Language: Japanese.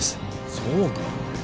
そうか。